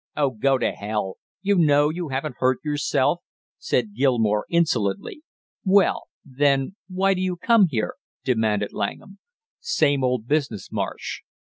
"Oh, go to hell! You know you haven't hurt yourself," said Gilmore insolently. "Well, then, why do you come here?" demanded Langham. "Same old business, Marsh."